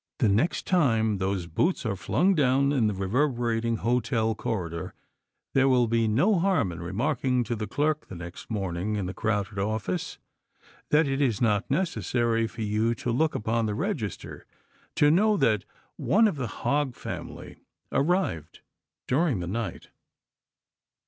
The next time those boots are flung down in the reverberating hotel corridor there will be no harm in remarking to the clerk the next morning in the crowded office that it is not necessary for you to look upon the register to know that one of the Hog family arrived during the night.